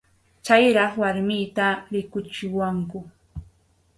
Chayraq warmiyta rikuchiwanku.